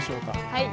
はい。